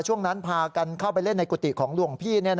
ช่วงนั้นพากันเข้าไปเล่นในกุฏิของหลวงพี่